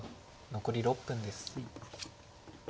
残り６分です。